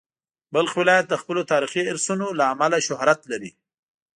بلخ ولایت د خپلو تاریخي ارثونو له امله شهرت لري.